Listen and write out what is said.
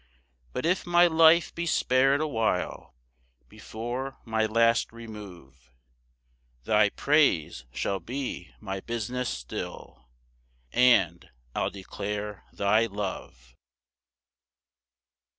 7 But if my life be spar'd awhile, Before my last remove, Thy praise shall be my business still, And I'll declare thy love.